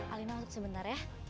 alina tunggu sebentar ya